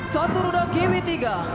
satu ruda kiwi iii